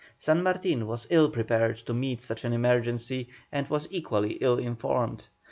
San Martin was ill prepared to meet such an emergency, and was equally ill informed.